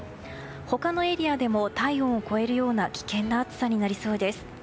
他のエリアでも体温を超えるような危険な暑さになりそうです。